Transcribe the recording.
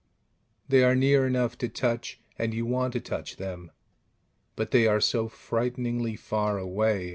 They are near enough to touch, and you want to touch them, but they are so frighteningly far away